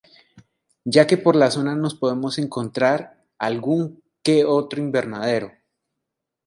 Ya que por la zona nos podemos encontrar algún que otro Invernadero.